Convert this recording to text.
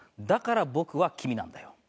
だから僕は君なんだよ。